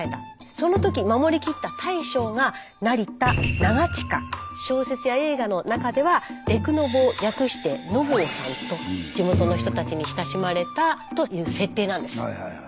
その時守りきった大将が小説や映画の中では「木偶の坊」略して「のぼうさん」と地元の人たちに親しまれたという設定なんです。